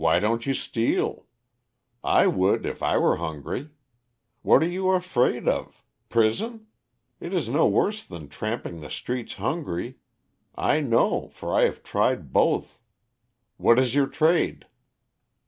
"Why don't you steal? I would if I were hungry. What are you afraid of? Prison? It is no worse than tramping the streets hungry; I know, for I have tried both. What is your trade?"